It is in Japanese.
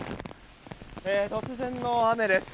突然の雨です。